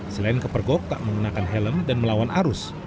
selain kepergok tak mengenakan helm dan melawan arus